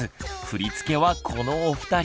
振り付けはこのお二人。